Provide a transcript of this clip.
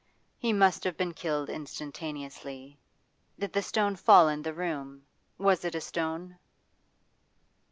'He must have been killed instantaneously. Did the stone fall in the room? Was it a stone?